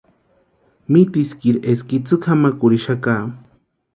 Mitiskiri eska itsï kʼamakurhixaka.